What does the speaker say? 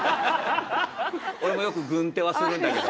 俺もよく軍手はするんだけど。